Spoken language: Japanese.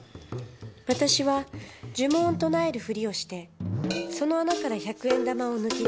私は呪文を唱えるふりをしてその穴から１００円玉を抜き出した。